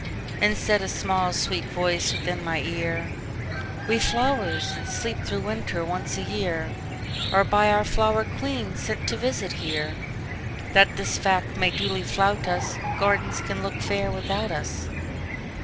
And said a small, sweet voice within my ear:"We flowers, that sleep through winter, once a yearAre by our flower queen sent to visit here, That this fact may duly flout us,—Gardens can look fair without us.